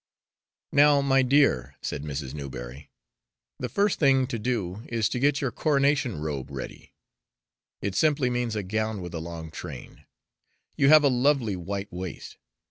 "Now, my dear," said Mrs. Newberry, "the first thing to do is to get your coronation robe ready. It simply means a gown with a long train. You have a lovely white waist.